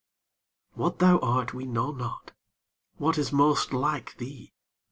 What thou art we know not; What is most like thee?